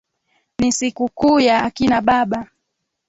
ni siku kuu ya akina baba.